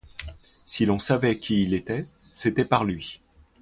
Si l'on savait qui il était, c'était par lui.